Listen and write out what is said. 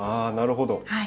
あなるほど。